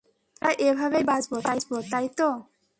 আমরা এভাবেই বাঁচবো, তাই তো?